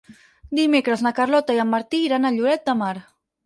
Dimecres na Carlota i en Martí iran a Lloret de Mar.